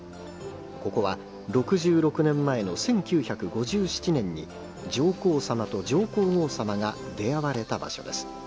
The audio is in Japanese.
ここは、６６年前の１９５７年に、上皇さまと上皇后さまが出会われた場所です。